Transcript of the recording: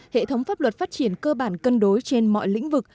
hệ thống pháp luật phát triển cơ bản cân đối trên mọi lĩnh vực